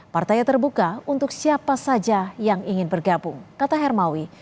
partai terbuka untuk siapa saja yang ingin bergabung kata hermawi